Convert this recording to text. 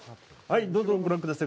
どうぞご覧ください。